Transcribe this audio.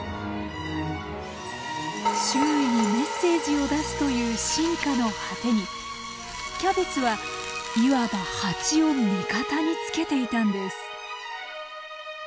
周囲にメッセージを出すという進化の果てにキャベツはいわば蜂を味方につけていたんです。